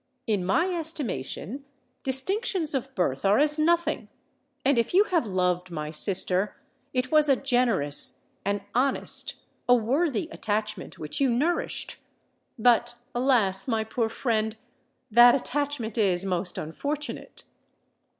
In my estimation distinctions of birth are as nothing; and if you have loved my sister, it was a generous—an honest—a worthy attachment which you nourished. But, alas! my poor friend—that attachment is most unfortunate!"